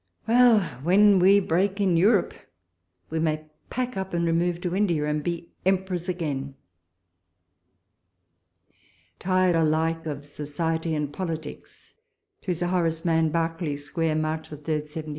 177 Well ! when we break in Europe, we may pack up and remove to India, and be emperors again !... TIRED ALIKE OF SOCIETY AyD POLITICS. To Sir Horace Mann. Berkeley Square, March 3, 1780. ..